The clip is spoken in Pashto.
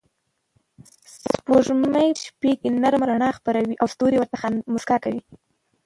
سپوږمۍ په شپه کې نرم رڼا خپروي او ستوري ورته موسکا کوي.